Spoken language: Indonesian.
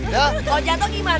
kalau jatuh gimana